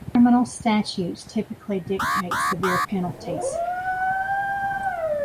Criminal statutes typically dictate severe penalties.